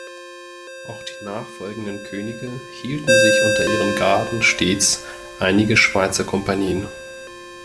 Auch die nachfolgenden Könige hielten sich unter ihren Garden stets einige Schweizer Kompanien.